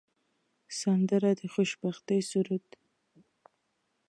سندره د خوشبختۍ سرود دی